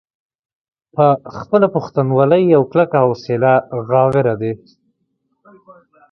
پۀ خپله پښتونولۍ او کلکه حوصله غاوره دے ۔